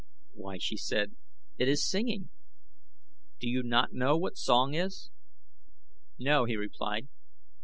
"Why," she said, "it is singing. Do you not know what song is?" "No," he replied.